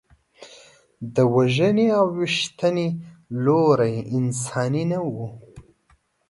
د وژنې او ویشتنې لوری انساني نه و.